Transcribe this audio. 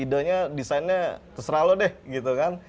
ide nya desainnya terserah lo deh gitu kan